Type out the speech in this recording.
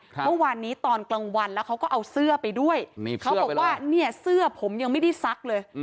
เมื่อวานนี้ตอนกลางวันแล้วเขาก็เอาเสื้อไปด้วยเขาบอกว่าเนี่ยเสื้อผมยังไม่ได้ซักเลย